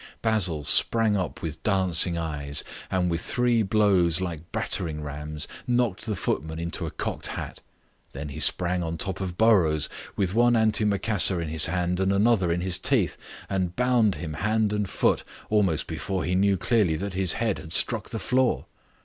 Basil sprang up with dancing eyes, and with three blows like battering rams knocked the footman into a cocked hat. Then he sprang on top of Burrows, with one antimacassar in his hand and another in his teeth, and bound him hand and foot almost before he knew clearly that his head had struck the floor.